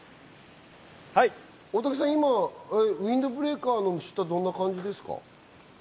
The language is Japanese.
大竹さん、今、ウインドブレーカーの下はどんな感じですか？